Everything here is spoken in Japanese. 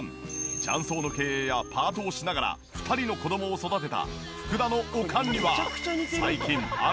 雀荘の経営やパートをしながら２人の子供を育てた福田のおかんには最近ある悩みが。